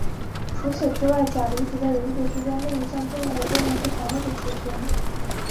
除此之外钾离子在人体之中另一项重要的功能是糖类的储存。